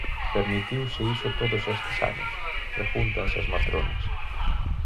"Permitiuse iso todos estes anos?", pregúntanse as matronas.